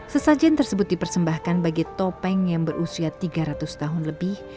sesajen tersebut dipersembahkan bagi topeng yang berusia tiga ratus tahun lebih